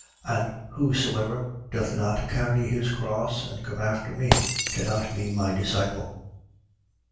And whosoever doth not carry his cross and come after me cannot be my disciple.